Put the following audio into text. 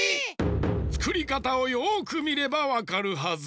つくりかたをよくみればわかるはず。